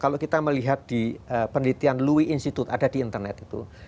kalau kita melihat di penelitian louis institute ada di internet itu